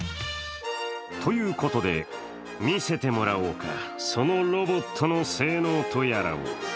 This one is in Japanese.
ということで、見せてもらおうかそのロボットの性能とやらを。